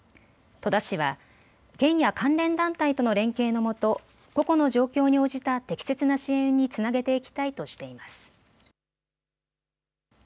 戸田市は、県や関連団体との連携の下、個々の状況に応じた適切な支援につなげていきたいとしています。